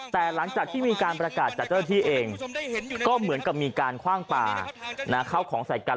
แต่หลังจากที่มีการประกาศจากเจ้าที่เองก็เหมือนกับมีการคว่างปลาเข้าของใส่กัน